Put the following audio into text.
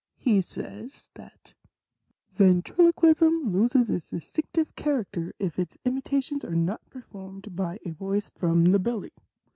He says, that 1 Ventriloquism loses its distinctive character ifits imitations are not performed by a voice from the belly.